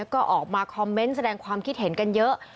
ก็ออกมาคอมเมนต์แสดงความคิดเห็นกันเยอะ